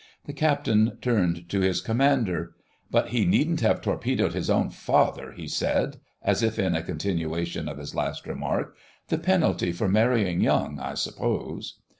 The Captain turned to his Commander. "But he needn't have torpedoed his own father," he said, as if in continuation of his last remark. "The penalty for marrying young, I suppose."